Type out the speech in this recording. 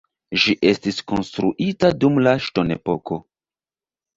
Ĝi estis konstruita dum la ŝtonepoko.